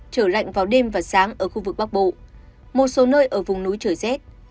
trở lạnh vào đêm và sáng ở khu vực bắc bộ một số nơi ở vùng núi trời rét